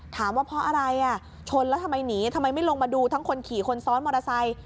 ถามว่าเพราะอะไรชนแล้วทำไมหนีทำไมไม่ลงมาดูทั้งคนขี่คนซ้อนมอเตอร์ไซค์